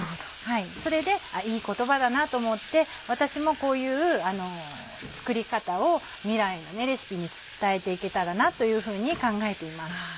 それでいい言葉だなと思って私もこういう作り方を未来のレシピに伝えて行けたらなというふうに考えています。